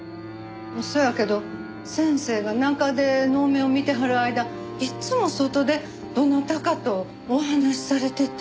そやけど先生が中で能面を見てはる間いつも外でどなたかとお話しされてて。